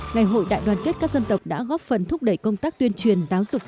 ngày hội đại đoàn kết các dân tộc đã góp phần thúc đẩy công tác tuyên truyền giáo dục